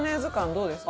どうですか？